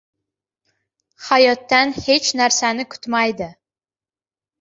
hayotdan hech narsani kutmaydi.